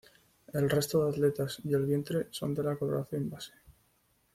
El resto de aletas y el vientre son de la coloración base.